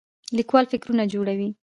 لیکوال فکرونه جوړوي